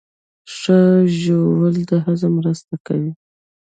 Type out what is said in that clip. ښه ژوول د هضم مرسته کوي